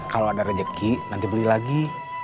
kalau ada rezeki nanti beli lagi